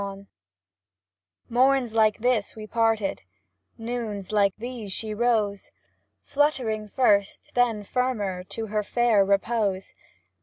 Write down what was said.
XLV JVloRNS like these we parted; Noons like these she rose, Fluttering first, then firmer, To her fair repose.